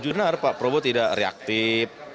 junar pak prabowo tidak reaktif